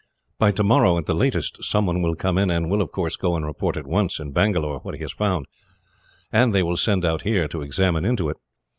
By tomorrow, at the latest, someone will come in, and will of course go and report at once, in Bangalore, what he has found; and they will send out here to examine into it.